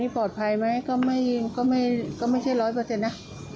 ปลอดภัยไหมก็ไม่ก็ไม่ใช่๑๐๐นะ